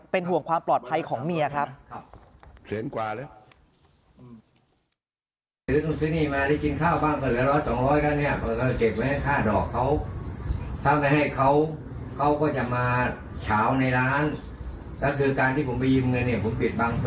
เป็นห่วงความปลอดภัยของเมียครับ